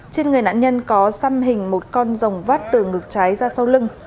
trên người nạn nhân có xăm hình một con rồng vắt từ ngực trái ra sau lưng